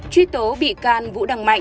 truy tố bị can vũ đằng mạnh